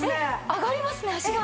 上がりますね足が。